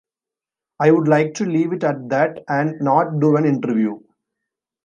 'I'd like to leave it at that and not do an interview.